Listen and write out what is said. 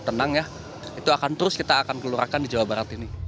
tenang ya itu akan terus kita akan keluarkan di jawa barat ini